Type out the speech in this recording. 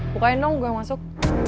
bukaino gak masalah